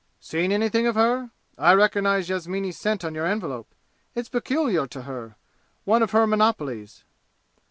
"Seen anything of her? I recognized Yasmini's scent on your envelope. It's peculiar to her one of her monopolies!"